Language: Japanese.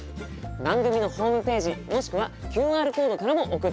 番組のホームページもしくはＱＲコードからも送っていただけます。